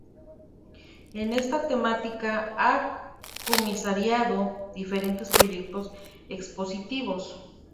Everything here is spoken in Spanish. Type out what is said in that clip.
En esta temática ha comisariado diferentes proyectos expositivos.